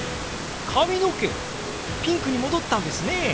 髪の毛ピンクに戻ったんですね！